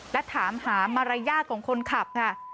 และถามหามรายละเอียดของคนขับค่ะ